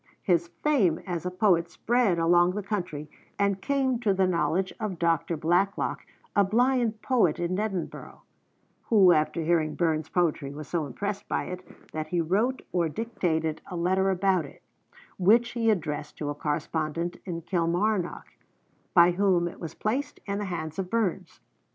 His fame as a poet spread along the country and came to the knowledge of Dr. Blacklock, a blind poet in Edinburgh, who after hearing Burns's poetry was so impressed by it that he wrote or dictated a letter about it, which he addressed to a correspondent in Kilmarnock, by whom it was placed in the hands of Burns.